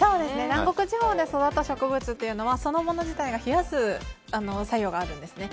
南国地方で育った植物はその物自体が冷やす作用があるんですね。